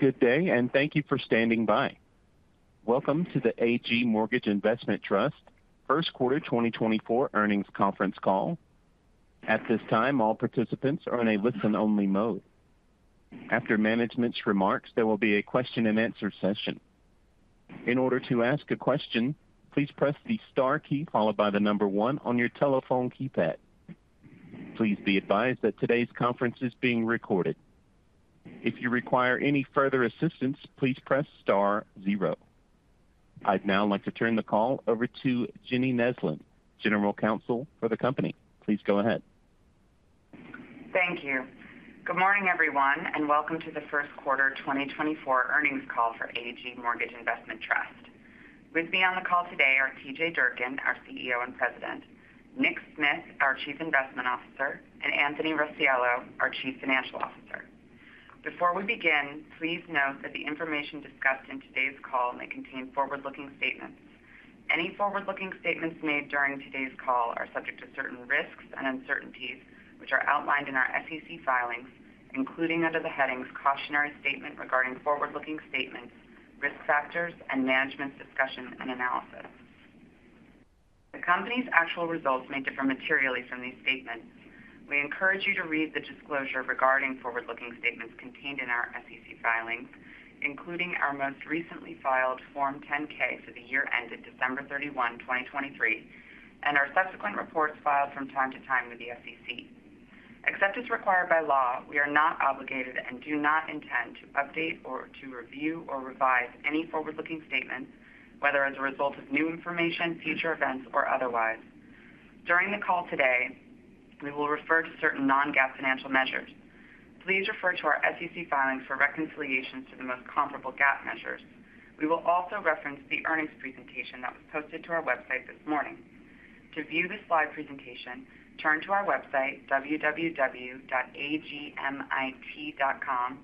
Good day, and thank you for standing by. Welcome to the AG Mortgage Investment Trust First Quarter 2024 Earnings Conference Call. At this time, all participants are in a listen-only mode. After management's remarks, there will be a question-and-answer session. In order to ask a question, please press the Star key, followed by the number one on your telephone keypad. Please be advised that today's conference is being recorded. If you require any further assistance, please press Star zero. I'd now like to turn the call over to Jenny Neslin, General Counsel for the company. Please go ahead. Thank you. Good morning, everyone, and welcome to the first quarter 2024 earnings call for AG Mortgage Investment Trust. With me on the call today are T.J. Durkin, our CEO and President, Nick Smith, our Chief Investment Officer, and Anthony Russiello, our Chief Financial Officer. Before we begin, please note that the information discussed in today's call may contain forward-looking statements. Any forward-looking statements made during today's call are subject to certain risks and uncertainties, which are outlined in our SEC filings, including under the headings "Cautionary Statement Regarding Forward-Looking Statements, Risk Factors, and Management's Discussion and Analysis." The company's actual results may differ materially from these statements. We encourage you to read the disclosure regarding forward-looking statements contained in our SEC filings, including our most recently filed Form 10-K for the year ended December 31, 2023, and our subsequent reports filed from time to time with the SEC. Except as required by law, we are not obligated and do not intend to update or to review or revise any forward-looking statements, whether as a result of new information, future events, or otherwise. During the call today, we will refer to certain non-GAAP financial measures. Please refer to our SEC filings for reconciliations to the most comparable GAAP measures. We will also reference the earnings presentation that was posted to our website this morning. To view the slide presentation, turn to our website, www.agmit.com,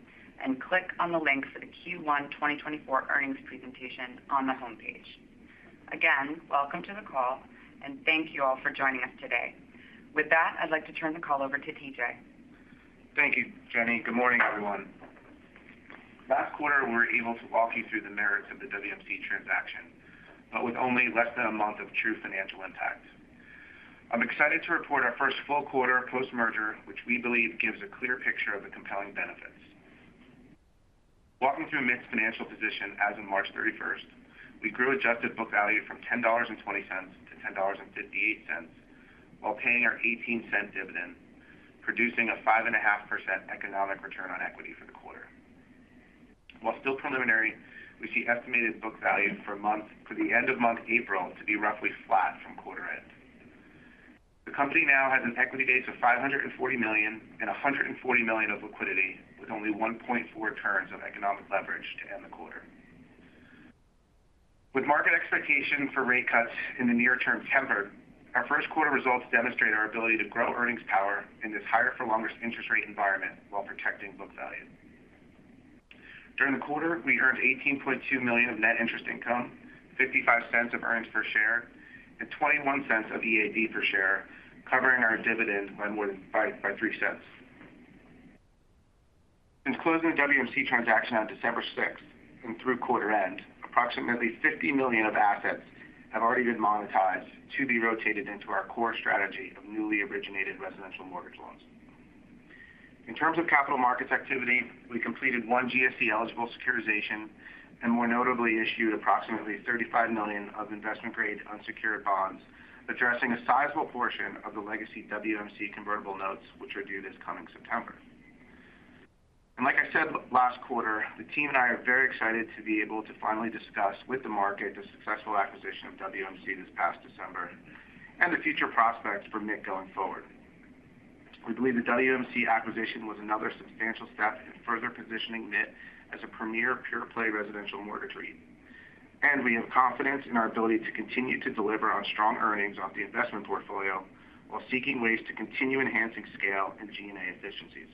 and click on the link for the Q1 2024 earnings presentation on the homepage. Again, welcome to the call, and thank you all for joining us today. With that, I'd like to turn the call over to T.J. Thank you, Jenny. Good morning, everyone. Last quarter, we were able to walk you through the merits of the WMC transaction, but with only less than a month of true financial impact. I'm excited to report our first full quarter post-merger, which we believe gives a clear picture of the compelling benefits. Walking through MIT's financial position as of March 31st, we grew adjusted book value from $10.20 to $10.58 while paying our $0.18 dividend, producing a 5.5% economic return on equity for the quarter. While still preliminary, we see estimated book values for months, for the end of month April to be roughly flat from quarter end. The company now has an equity base of $540 million and $140 million of liquidity, with only 1.4 turns of economic leverage to end the quarter. With market expectations for rate cuts in the near term tempered, our first quarter results demonstrate our ability to grow earnings power in this higher for longer interest rate environment while protecting book value. During the quarter, we earned $18.2 million of net interest income, $0.55 of earnings per share, and $0.21 of EAD per share, covering our dividend onward by $0.03. Since closing the WMC transaction on December sixth and through quarter end, approximately $50 million of assets have already been monetized to be rotated into our core strategy of newly originated residential mortgage loans. In terms of capital markets activity, we completed one GSE-eligible securitization and more notably, issued approximately $35 million of investment-grade unsecured bonds, addressing a sizable portion of the legacy WMC convertible notes, which are due this coming September. And like I said last quarter, the team and I are very excited to be able to finally discuss with the market the successful acquisition of WMC this past December and the future prospects for MIT going forward. We believe the WMC acquisition was another substantial step in further positioning MIT as a premier pure-play residential mortgage REIT. And we have confidence in our ability to continue to deliver on strong earnings off the investment portfolio while seeking ways to continue enhancing scale and G&A efficiencies.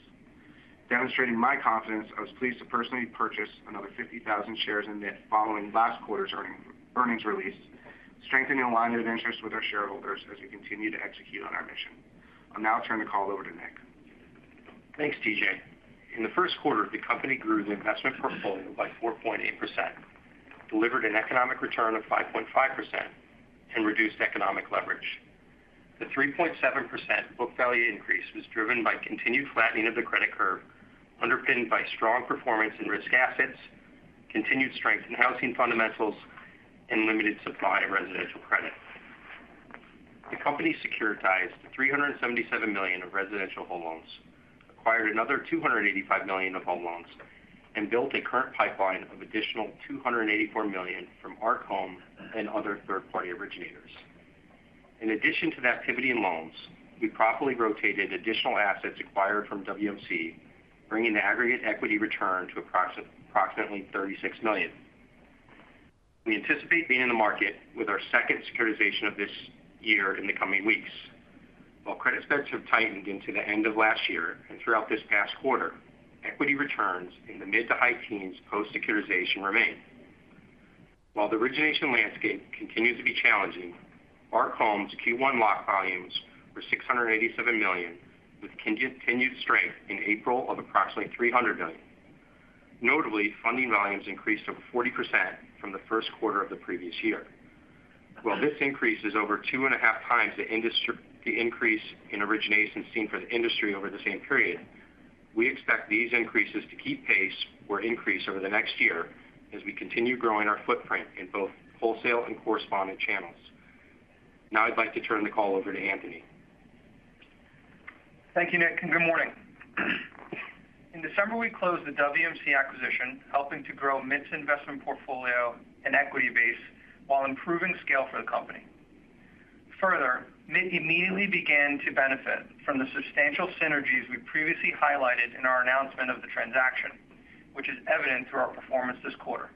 Demonstrating my confidence, I was pleased to personally purchase another 50,000 shares in MITT following last quarter's earnings release, strengthening alignment of interests with our shareholders as we continue to execute on our mission. I'll now turn the call over to Nick. Thanks, T.J. In the first quarter, the company grew the investment portfolio by 4.8%, delivered an economic return of 5.5%, and reduced economic leverage. The 3.7% book value increase was driven by continued flattening of the credit curve, underpinned by strong performance in risk assets, continued strength in housing fundamentals, and limited supply of residential credit. The company securitized $377 million of residential home loans, acquired another $285 million of home loans, and built a current pipeline of additional $284 million from Arc Home and other third-party originators. In addition to the activity in loans, we properly rotated additional assets acquired from WMC, bringing the aggregate equity return to approximately $36 million. We anticipate being in the market with our second securitization of this year in the coming weeks. While credit spreads have tightened into the end of last year and throughout this past quarter, equity returns in the mid- to high teens post-securitization remain.... While the origination landscape continues to be challenging, Arc Home's Q1 lock volumes were $687 million, with continued strength in April of approximately $300 million. Notably, funding volumes increased over 40% from the first quarter of the previous year. While this increase is over two and a half times the industry- the increase in origination seen for the industry over the same period, we expect these increases to keep pace or increase over the next year as we continue growing our footprint in both wholesale and correspondent channels. Now I'd like to turn the call over to Anthony. Thank you, Nick, and good morning. In December, we closed the WMC acquisition, helping to grow MIT's investment portfolio and equity base while improving scale for the company. Further, MIT immediately began to benefit from the substantial synergies we previously highlighted in our announcement of the transaction, which is evident through our performance this quarter.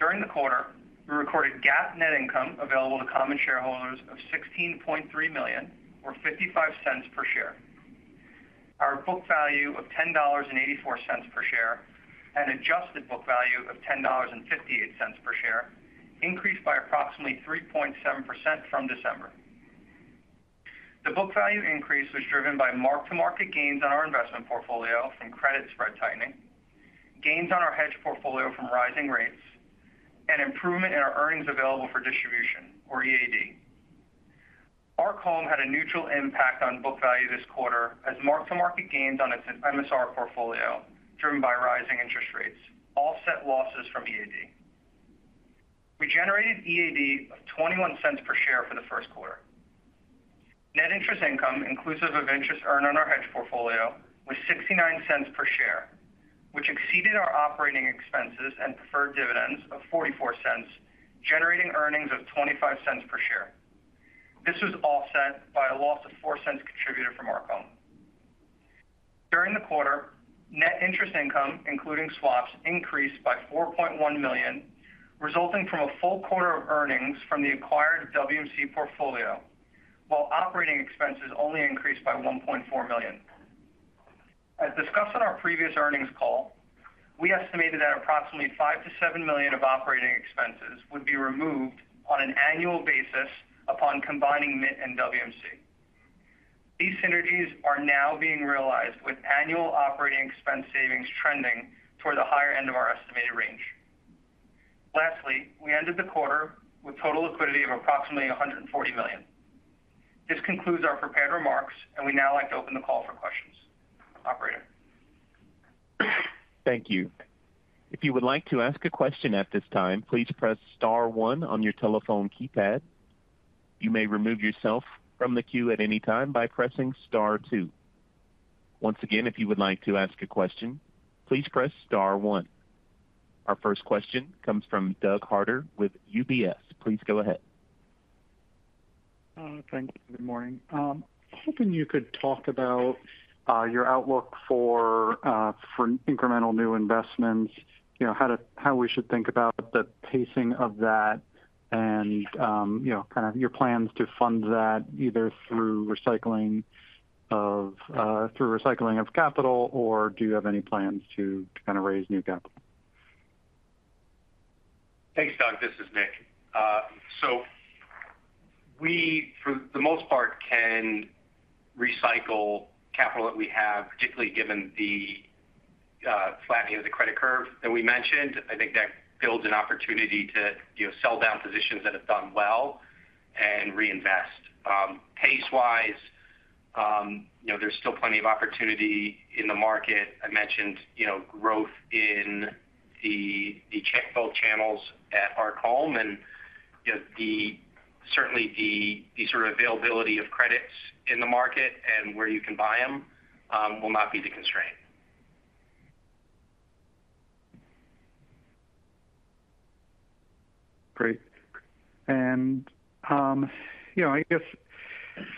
During the quarter, we recorded GAAP net income available to common shareholders of $16.3 million, or $0.55 per share. Our book value of $10.84 per share, and adjusted book value of $10.58 per share, increased by approximately 3.7% from December. The book value increase was driven by mark-to-market gains on our investment portfolio from credit spread tightening, gains on our hedge portfolio from rising rates, and improvement in our earnings available for distribution, or EAD. Arc Home had a neutral impact on book value this quarter, as mark-to-market gains on its MSR portfolio, driven by rising interest rates, offset losses from EAD. We generated EAD of $0.21 per share for the first quarter. Net interest income, inclusive of interest earned on our hedge portfolio, was $0.69 per share, which exceeded our operating expenses and preferred dividends of $0.44, generating earnings of $0.25 per share. This was offset by a loss of $0.04 contributed from Arc Home. During the quarter, net interest income, including swaps, increased by $4.1 million, resulting from a full quarter of earnings from the acquired WMC portfolio, while operating expenses only increased by $1.4 million. As discussed on our previous earnings call, we estimated that approximately $5 million-$7 million of operating expenses would be removed on an annual basis upon combining MIT and WMC. These synergies are now being realized, with annual operating expense savings trending toward the higher end of our estimated range. Lastly, we ended the quarter with total liquidity of approximately $140 million. This concludes our prepared remarks, and we'd now like to open the call for questions. Operator? Thank you. If you would like to ask a question at this time, please press star one on your telephone keypad. You may remove yourself from the queue at any time by pressing star two. Once again, if you would like to ask a question, please press star one. Our first question comes from Doug Harter with UBS. Please go ahead. Thank you. Good morning. Hoping you could talk about your outlook for incremental new investments. You know, how we should think about the pacing of that and, you know, kind of your plans to fund that, either through recycling of capital, or do you have any plans to, kind of, raise new capital? Thanks, Doug. This is Nick. So we, for the most part, can recycle capital that we have, particularly given the flattening of the credit curve that we mentioned. I think that builds an opportunity to, you know, sell down positions that have done well and reinvest. Pace-wise, you know, there's still plenty of opportunity in the market. I mentioned, you know, growth in the broker channels at Arc Home and, you know, certainly the sort of availability of credits in the market and where you can buy them will not be the constraint. Great. And you know, I guess,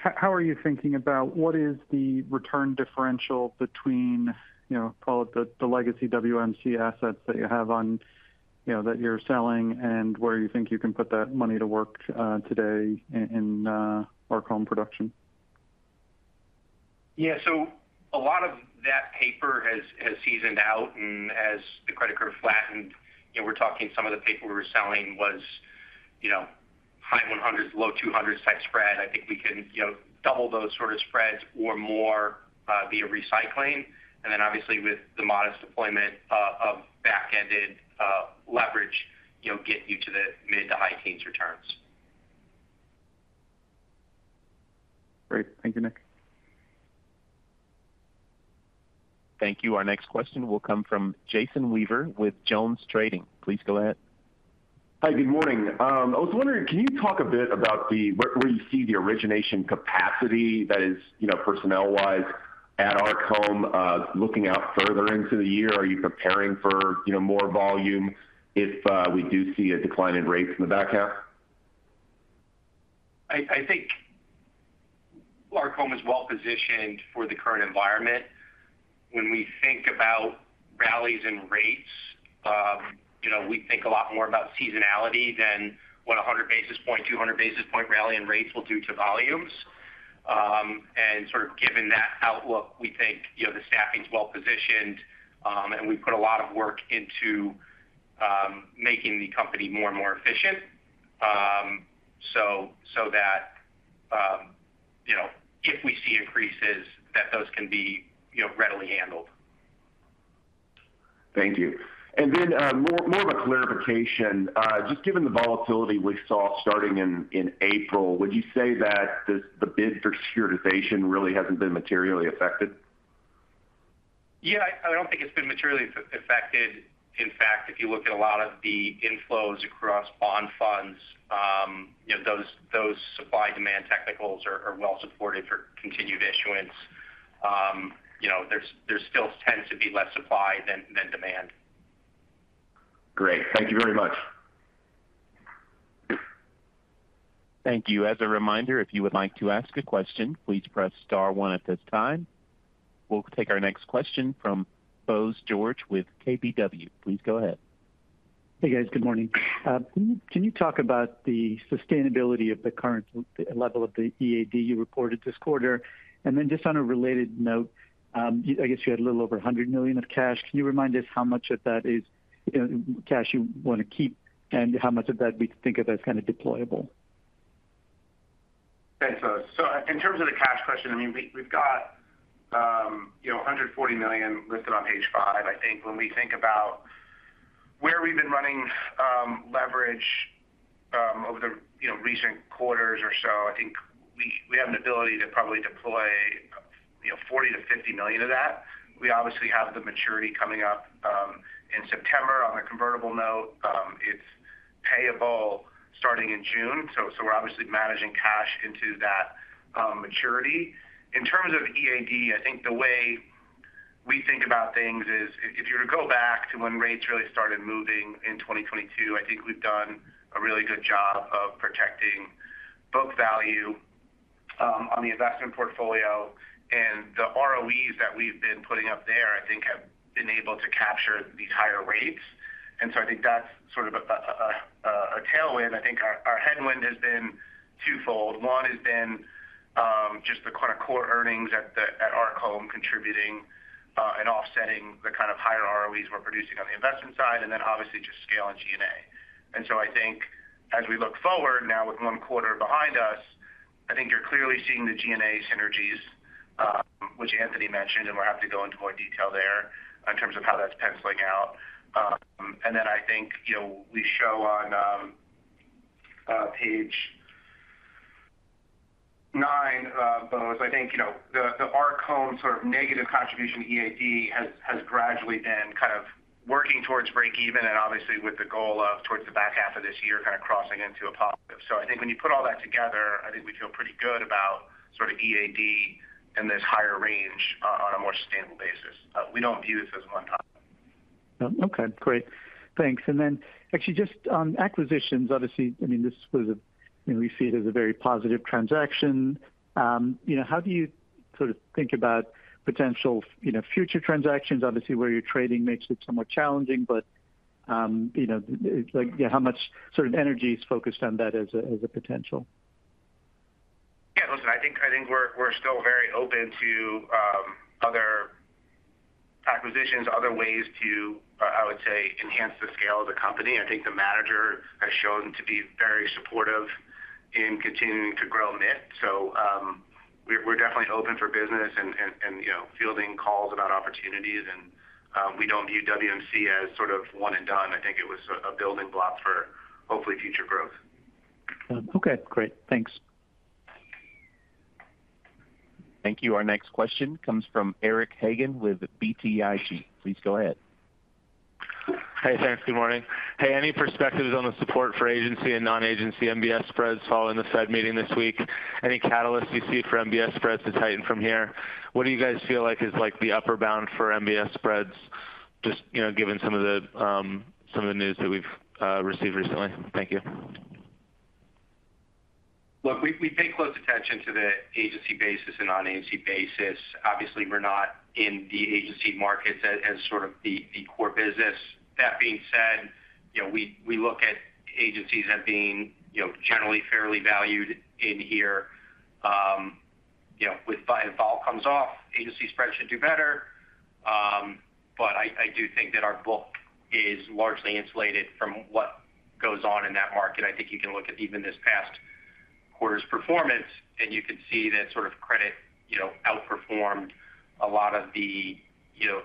how are you thinking about what is the return differential between, you know, call it the legacy WMC assets that you have on. You know, that you're selling, and where you think you can put that money to work today in Arc Home production? Yeah. So a lot of that paper has seasoned out and as the credit curve flattened, you know, we're talking some of the paper we were selling was, you know, high 100s, low 200 type spread. I think we can, you know, double those sort of spreads or more via recycling, and then obviously with the modest deployment of back-ended leverage, you'll get you to the mid- to high-teens returns. Great. Thank you, Nick. Thank you. Our next question will come from Jason Weaver with JonesTrading. Please go ahead. Hi, good morning. I was wondering, can you talk a bit about where you see the origination capacity that is, you know, personnel-wise at Arc Home, looking out further into the year? Are you preparing for, you know, more volume if we do see a decline in rates in the back half? I, I think Arc Home is well positioned for the current environment. When we think about rallies and rates, you know, we think a lot more about seasonality than what a 100 basis point, 200 basis point rally in rates will do to volumes. and sort of given that outlook, we think, you know, the staffing's well positioned. And we've put a lot of work into making the company more and more efficient. So that, you know, if we see increases, that those can be, you know, readily handled. Thank you. And then, more of a clarification. Just given the volatility we saw starting in April, would you say that the bid for securitization really hasn't been materially affected? Yeah, I don't think it's been materially affected. In fact, if you look at a lot of the inflows across bond funds, you know, those supply-demand technicals are well supported for continued issuance. You know, there still tends to be less supply than demand. Great. Thank you very much. Thank you. As a reminder, if you would like to ask a question, please press star one at this time. We'll take our next question from Bose George with KBW. Please go ahead. Hey, guys. Good morning. Can you talk about the sustainability of the current level of the EAD you reported this quarter? And then just on a related note, I guess you had a little over $100 million of cash. Can you remind us how much of that is, you know, cash you want to keep, and how much of that we think of as kind of deployable? Thanks, Bose. So in terms of the cash question, I mean, we've got, you know, $140 million listed on page five. I think when we think about where we've been running, leverage over the, you know, recent quarters or so, I think we have an ability to probably deploy, you know, $40 million-$50 million of that. We obviously have the maturity coming up in September on the convertible note. It's payable starting in June, so we're obviously managing cash into that maturity. In terms of EAD, I think the way we think about things is if you were to go back to when rates really started moving in 2022, I think we've done a really good job of protecting book value on the investment portfolio. The ROEs that we've been putting up there, I think, have been able to capture these higher rates. So I think that's sort of a tailwind. I think our headwind has been twofold. One has been just the kind of core earnings at Arc Home contributing and offsetting the kind of higher ROEs we're producing on the investment side, and then obviously just scale on G&A. So I think as we look forward now with one quarter behind us, I think you're clearly seeing the G&A synergies, which Anthony mentioned, and we'll have to go into more detail there in terms of how that's penciling out. And then I think, you know, we show on page nine, Bose, I think, you know, the Arc Home sort of negative contribution EAD has gradually been kind of working towards breakeven, and obviously with the goal of towards the back half of this year, kind of crossing into a positive. So I think when you put all that together, I think we feel pretty good about sort of EAD in this higher range on a more sustainable basis. We don't view this as one-time. No. Okay, great. Thanks. And then actually just on acquisitions, obviously, I mean, this was a, we see it as a very positive transaction. You know, how do you sort of think about potential, you know, future transactions? Obviously, where you're trading makes it somewhat challenging, but, you know, like, how much sort of energy is focused on that as a, as a potential? Yeah, listen, I think, I think we're, we're still very open to other acquisitions, other ways to, I would say, enhance the scale of the company. I think the manager has shown to be very supportive in continuing to grow MIT. So, we're, we're definitely open for business and, and, and, you know, fielding calls about opportunities. And, we don't view WMC as sort of one and done. I think it was a, a building block for hopefully future growth. Okay, great. Thanks. Thank you. Our next question comes from Eric Hagen with BTIG. Please go ahead. Hi, thanks. Good morning. Hey, any perspectives on the support for agency and non-agency MBS spreads following the Fed meeting this week? Any catalysts you see for MBS spreads to tighten from here? What do you guys feel like is like the upper bound for MBS spreads, just, you know, given some of the, some of the news that we've received recently? Thank you. Look, we pay close attention to the agency basis and non-agency basis. Obviously, we're not in the agency markets as sort of the core business. That being said, you know, we look at agencies as being, you know, generally fairly valued in here. You know, if vol comes off, agency spreads should do better. But I do think that our book is largely insulated from what goes on in that market. I think you can look at even this past quarter's performance, and you can see that sort of credit, you know, outperformed a lot of the, you know,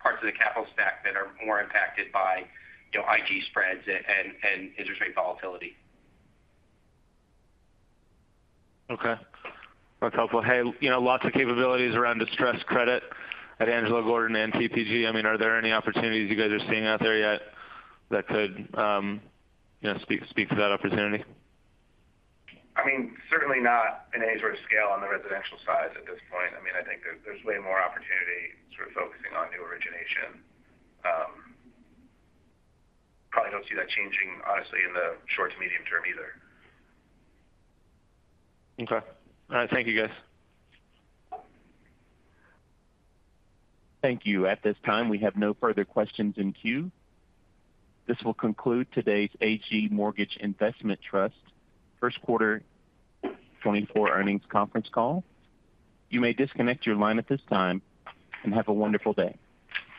parts of the capital stack that are more impacted by, you know, IG spreads and interest rate volatility. Okay. That's helpful. Hey, you know, lots of capabilities around distressed credit at Angelo, Gordon and TPG. I mean, are there any opportunities you guys are seeing out there yet that could, you know, speak, speak to that opportunity? I mean, certainly not in any sort of scale on the residential side at this point. I mean, I think there's way more opportunity sort of focusing on new origination. Probably don't see that changing, honestly, in the short to medium term either. Okay. All right. Thank you, guys. Thank you. At this time, we have no further questions in queue. This will conclude today's AG Mortgage Investment Trust first quarter 2024 earnings conference call. You may disconnect your line at this time, and have a wonderful day.